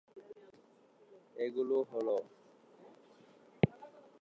এগুলো হলো